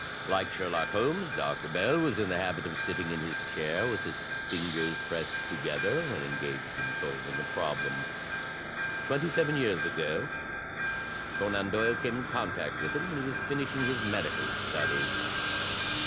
Like Sher lock Holmes, Dr. Bell was in the habit of sitting in his chair with his fingers pressed together when engaged in solving a problem. Twenty seven years ago Conan Doyle came in contact with him when he was finishing his medical studies.